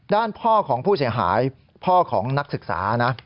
ด้านพ่อของผู้เสียหายพ่อของนักศึกษานะ